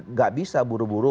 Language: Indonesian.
enggak bisa buru buru